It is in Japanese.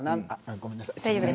ごめんなさい。